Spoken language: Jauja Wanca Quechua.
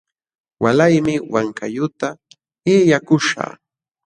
Walaymi Wankayuqta illakuśhaq.